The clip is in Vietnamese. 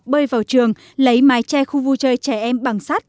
bơi vào trường lấy mái che khu vui chơi trẻ em bằng sắt